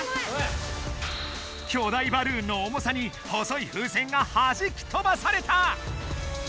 巨大バルーンの重さに細い風船がはじきとばされた！